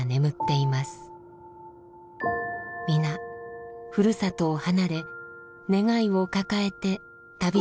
皆ふるさとを離れ願いを抱えて旅した人たちです。